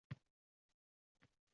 Ular bizga dasturlash uchun kerak.